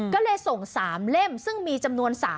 ก็เลยส่ง๓เล่ม